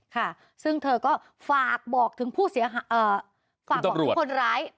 ค่ะซึ่งเธอก็ฝากบอกถึงผู้เสียหายฝากบอกถึงคนร้าย